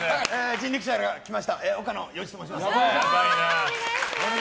人力舎から来ました岡野陽一と申します。